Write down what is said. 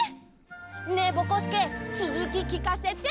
ねえぼこすけつづききかせて！